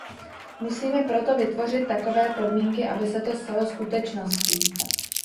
Musíme proto vytvořit takové podmínky, aby se to stalo skutečností.